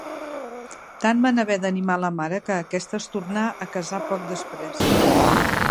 Tant van haver d'animar la mare que aquesta es tornà a casar poc després.